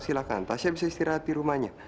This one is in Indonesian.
silahkan tasya bisa istirahat di rumahnya